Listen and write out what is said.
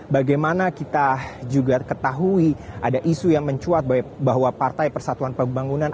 bagaimana kita juga ketahui ada isu yang mencuat bahwa partai persatuan pembangunan